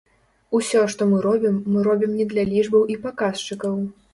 Усё, што мы робім, мы робім не для лічбаў і паказчыкаў.